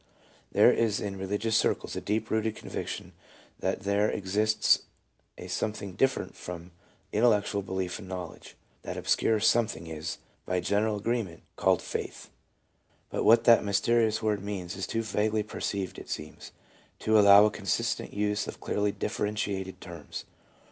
There is in re ligious circles a deep rooted conviction that there exists a something different from intellectual belief and knowledge ; that obscure something is, by general agreement, called Faith; but what that mysterious word means is too vaguely perceived, it seems, to allow of a consistent use of clearly differentiated terms.